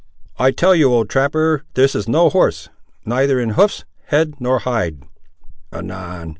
"I tell you, old trapper, this is no horse; neither in hoofs, head, nor hide." "Anan!